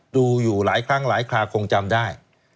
ดูอยู่หลายครั้งหลายคราคงจำได้